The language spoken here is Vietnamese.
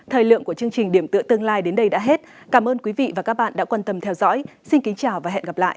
thời lượng của chương trình điểm tựa tương lai đến đây đã hết cảm ơn quý vị và các bạn đã quan tâm theo dõi xin kính chào và hẹn gặp lại